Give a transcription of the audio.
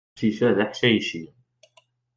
Aqcic-a d aḥcayci.